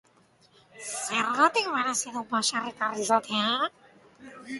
Zergatik merezi du baserritar izatea?